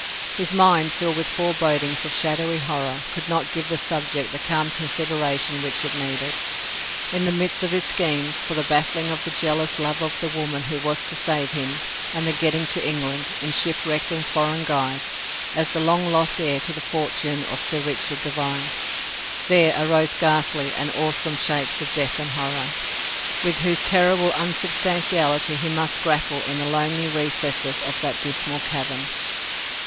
His mind, filled with forebodings of shadowy horror, could not give the subject the calm consideration which it needed. In the midst of his schemes for the baffling of the jealous love of the woman who was to save him, and the getting to England, in shipwrecked and foreign guise, as the long lost heir to the fortune of Sir Richard Devine, there arose ghastly and awesome shapes of death and horror, with whose terrible unsubstantiality he must grapple in the lonely recesses of that dismal cavern.